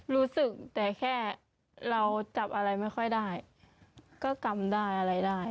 รู้สึกแต่แค่เราจับอะไรไม่ค่อยได้ก็กำได้อะไรได้